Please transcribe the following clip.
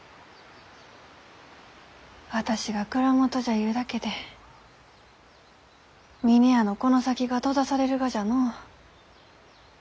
私が蔵元じゃゆうだけで峰屋のこの先が閉ざされるがじゃのう。